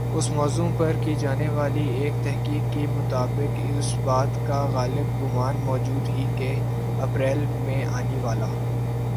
اس موضوع پر کی جانی والی ایک تحقیق کی مطابق اس بات کا غالب گمان موجود ہی کہ اپریل میں آنی والا